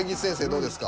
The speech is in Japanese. どうですか？